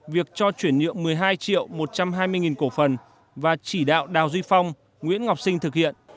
việc cho chuyển nhượng một mươi hai triệu một trăm hai mươi cổ phần và chỉ đạo đào duy phong nguyễn ngọc sinh thực hiện